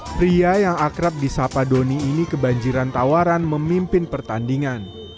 pria yang akrab di sapa doni ini kebanjiran tawaran memimpin pertandingan